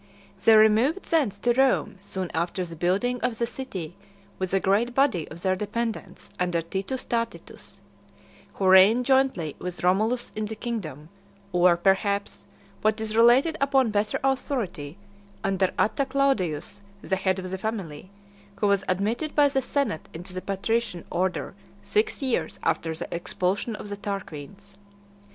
They removed thence to Rome soon after the building of the city, with a great body of their dependants, under Titus Tatius, who reigned jointly with Romulus in the kingdom; or, perhaps, what is related upon better authority, under Atta Claudius, the head of the family, who was admitted by the senate into the patrician order six years after the expulsion of the Tarquins.